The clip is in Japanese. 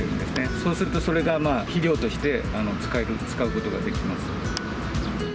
そうすると、それが肥料として使うことができます。